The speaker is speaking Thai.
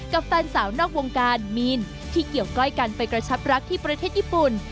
แฟนสาวนอกวงการมีนที่เกี่ยวก้อยกันไปกระชับรักที่ประเทศญี่ปุ่น